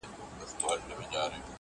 سیوری د قسمت مي په دې لاره کي لیدلی دی؛